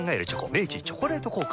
明治「チョコレート効果」